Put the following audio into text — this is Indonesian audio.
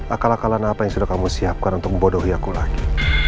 akal akalan apa yang sudah kamu siapkan untuk membodohi aku lagi